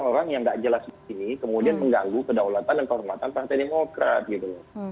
orang yang nggak jelas di sini kemudian mengganggu kedaulatan dan kehormatan partai demokrat gitu loh